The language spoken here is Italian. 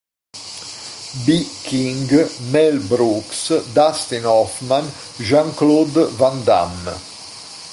B. King, Mel Brooks, Dustin Hoffman, Jean-Claude Van Damme.